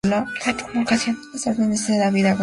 La promulgación de las órdenes se da vía Gaceta Oficial.